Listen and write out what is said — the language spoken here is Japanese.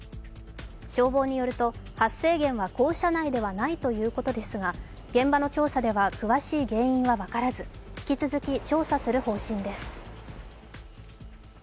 消防によると、発生源は校舎内ではないということですが現場の調査では詳しい原因は分からず引き続き調査する方針です。